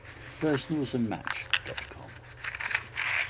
Personals and Match dot com.